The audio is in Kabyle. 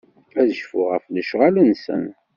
Ad cfuɣ ɣef lecɣal-nsen.